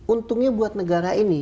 untungnya buat negara ini